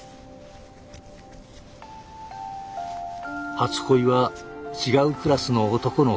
初恋は違うクラスの男の子。